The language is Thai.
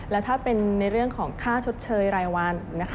และถ้าเป็นในเรื่องของค่าชดเชยรายวัน